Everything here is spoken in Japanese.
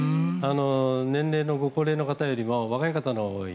年齢がご高齢の方よりは若い方のほうが多い。